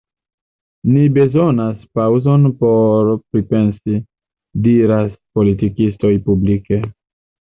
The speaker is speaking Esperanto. Ni bezonas paŭzon por pripensi, — diras politikistoj publike.